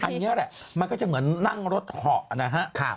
อันนี้แหละมันก็จะเหมือนนั่งรถเหาะนะฮะ